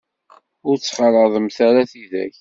Ur ttxalaḍemt ara tidak.